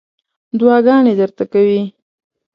دعاګانې درته کوي.